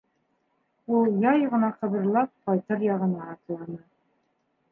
Ул, яй ғына ҡыбырлап, ҡайтыр яғына атланы.